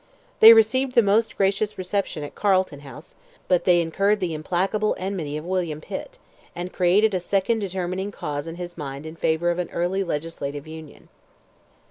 They received the most gracious reception at Carlton House, but they incurred the implacable enmity of William Pitt, and created a second determining cause in his mind in favour of an early legislative union.